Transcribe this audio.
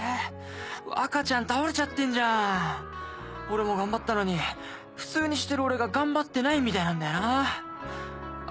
若ちゃん倒れちゃってんじゃん俺も頑張ったのに普通にしてる俺が頑張ってないみたいなんだよなあ